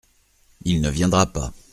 Il ne viendra pas.